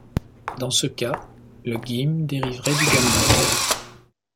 Dans ce cas, le gim Գ dériverait du gamma.